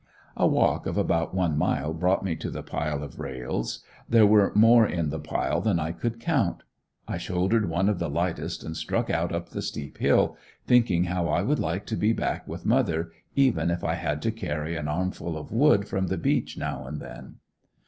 A walk of about one mile brought me to the pile of rails; there were more in the pile than I could count, I shouldered one of the lightest and struck out up the steep hill, thinking how I would like to be back with mother, even if I had to carry an armful of wood from the beach now and then.